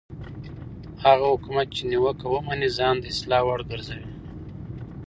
هغه حکومت چې نیوکه ومني ځان د اصلاح وړ ګرځوي